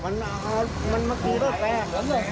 มันเพลียดแล้ว